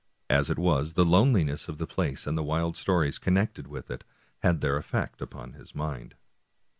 As it was, the loneliness of the place, and the wild stories connected with it, had their efifect upon his mind.